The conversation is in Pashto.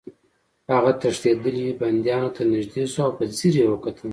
هغه تښتېدلي بندیانو ته نږدې شو او په ځیر یې وکتل